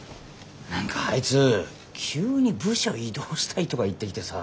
何かあいつ急に部署異動したいとか言ってきてさ。